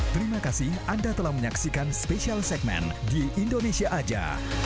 terima kasih anda telah menyaksikan special segmen di indonesia aja